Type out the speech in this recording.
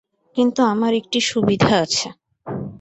কিন্তু আমার একটি সুবিধা আছে।